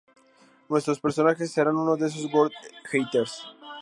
Nuestro personaje será uno de esos "Gods Eaters".